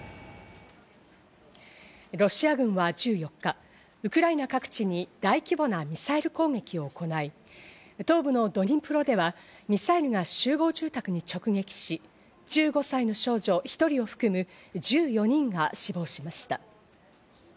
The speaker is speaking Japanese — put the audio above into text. ロシア軍は１４日、ウクライナ各地に大規模なミサイル攻撃を行い、東部のドニプロではミサイルが集合住宅に直撃し、１５歳の少女１人を含む１４人が死亡しました。